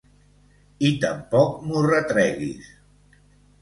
I tampoc m'ho retreguis!